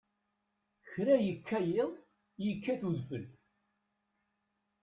Kra yekka yiḍ, yekkat udfel.